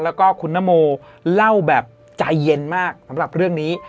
แล้วก็คุณนโมเล่าแบบใจเย็นมากสำหรับเรื่องนี้